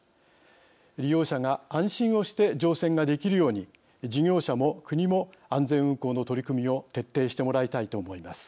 利用者が安心をして乗船ができるように事業者も国も安全運航の取り組みを徹底してもらいたいと思います。